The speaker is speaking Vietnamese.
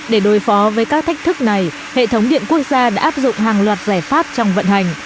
để đối phó với các thách thức này hệ thống điện quốc gia đã áp dụng hàng loạt giải pháp trong vận hành